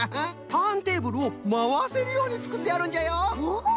ターンテーブルをまわせるようにつくってあるんじゃよ！